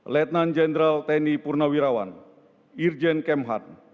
lieutenant general teni purnawirawan irjen kemhat